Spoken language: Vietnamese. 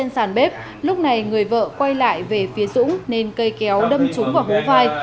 sàn bếp lúc này người vợ quay lại về phía dũng nên cây kéo đâm trúng vào hố vai